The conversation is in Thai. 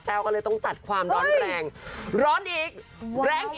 ก็เลยต้องจัดความร้อนแรงร้อนอีกแรงอีก